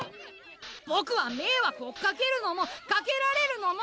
ボクはめいわくをかけるのもかけられるのも。